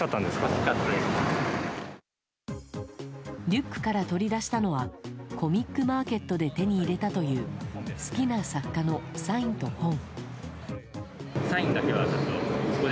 リュックから取り出したのはコミックマーケットで手に入れたという好きな作家のサインと本。